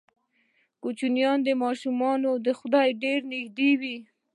کوچني ماشومان خدای ته ډېر نږدې وي.